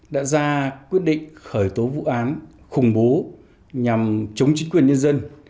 đã ra quyết định khởi tố vụ án khủng bố nhằm chống chính quyền nhân dân